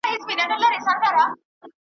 چي مېرمني يې آغازي كړې پوښتني .